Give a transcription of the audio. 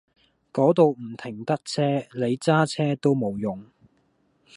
嗰度唔停得車，你揸車都冇用